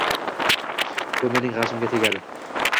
— Bu mening gʻashimga tegadi.